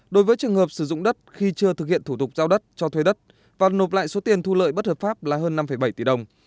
đối với trường hợp sử dụng đất khi chưa thực hiện thủ tục giao đất cho thuê đất và nộp lại số tiền thu lợi bất hợp pháp là hơn năm bảy tỷ đồng